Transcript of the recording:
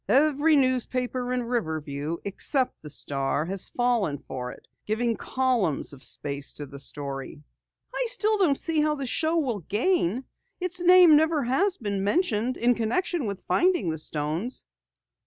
Every newspaper in Riverview except the Star has fallen for it, giving columns of space to the story." "I still don't see how the show will gain. Its name never has been mentioned in connection with the finding of the stones."